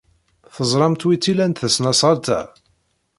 Teẓramt wi tt-ilan tesnasɣalt-a?